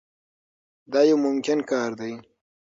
دا یو ممکن کار دی.